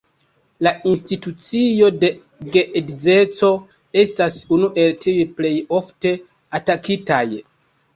La institucio de geedzeco estas unu el tiuj plej ofte atakitaj.